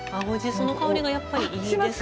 その香りがやっぱりいいですね。